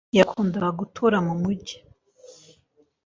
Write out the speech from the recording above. Ntiyakundaga gutura mu mujyi.